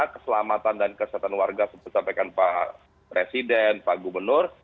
keselamatan dan kesehatan warga seperti sampaikan pak presiden pak gubernur